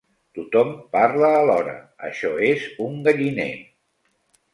Tothom parla alhora: això és un galliner!